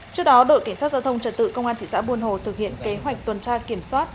trước đó đội cảnh sát giao thông trật tự công an thị xã buôn hồ thực hiện kế hoạch tuần tra kiểm soát